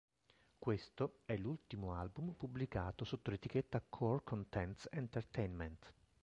Questo è l'ultimo album pubblicato sotto l'etichetta Core Contents Entertainment.